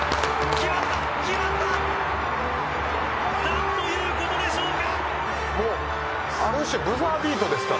何ということでしょうか。